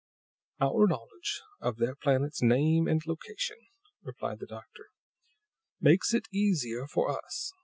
"Our knowledge of their planet's name and location," replied the doctor, "makes it easier for us.